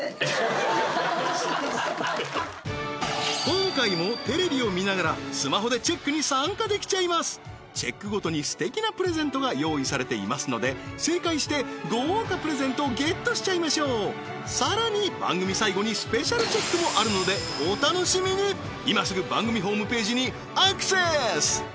今回もテレビを見ながらスマホでチェックに参加できちゃいますチェックごとにすてきなプレゼントが用意されていますので正解して豪華プレゼントをゲットしちゃいましょうさらに番組さいごにスペシャルチェックもあるのでお楽しみにいますぐ番組ホームページにアクセス